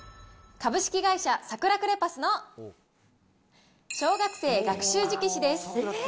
株式会社サクラクレパスの小学生学習字消しです。